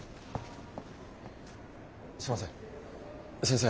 すみません先生